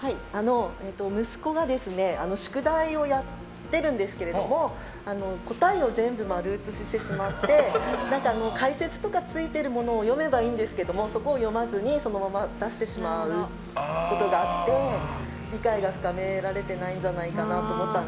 息子が宿題をやってるんですけれども答えを全部丸写ししてしまって解説とかついてるものを読めばいいんですけどそこを読まずに、そのまま出してしまうことがあって理解が深められていないんじゃないかと思って。